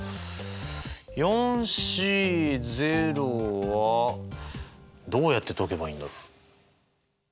Ｃはどうやって解けばいいんだろ？